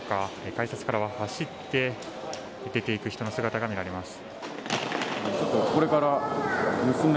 改札からは走って出て行く人の姿が見られます。